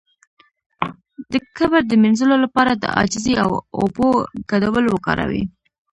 د کبر د مینځلو لپاره د عاجزۍ او اوبو ګډول وکاروئ